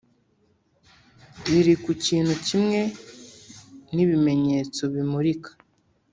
riri ku kintu kimwe n'ibimenyetso bimurika